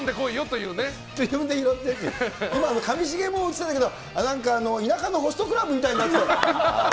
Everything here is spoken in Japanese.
今、上重も映ってたけど、なんか田舎のホストクラブみたいになってた。